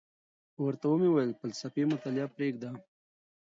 ورته ومي ویل فلسفي مطالعه پریږده،